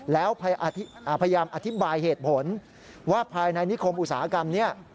แล้วพยายามอธิบายเหตุผลว่าภายในนิคมอุตสาหกรรมนี้